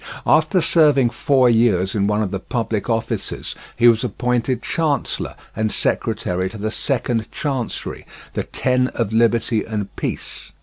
After serving four years in one of the public offices he was appointed Chancellor and Secretary to the Second Chancery, the Ten of Liberty and Peace.